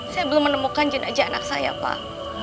saya belum menemukan jenajah anak saya pak